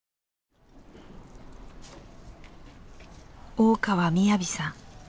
大川雅さん。